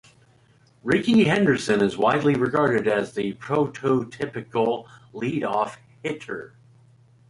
Rickey Henderson is widely regarded as the prototypical leadoff hitter.